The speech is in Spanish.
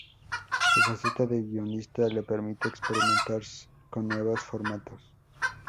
Su faceta de guionista le permite experimentar con nuevos formatos.